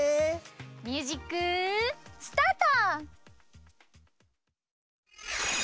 ミュージックスタート！